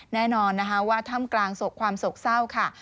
แน่นอนว่าท่ำกลางสกความสกเศร้าค่ะ